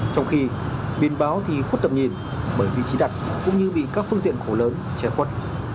trong khi biển báo thì khuất tầm nhìn bởi vị trí đặt cũng như bị các phương tiện khổ lớn che khuất